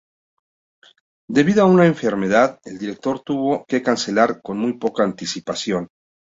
Debido a una enfermedad, el director tuvo que cancelar con muy poca anticipación.